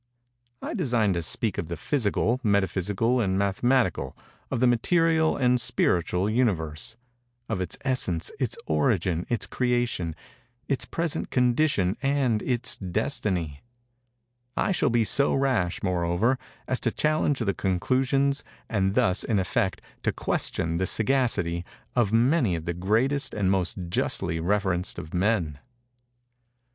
I design to speak of the _Physical, Metaphysical and Mathematical—of the Material and Spiritual Universe:—of its Essence, its Origin, its Creation, its Present Condition and its Destiny_. I shall be so rash, moreover, as to challenge the conclusions, and thus, in effect, to question the sagacity, of many of the greatest and most justly reverenced of men.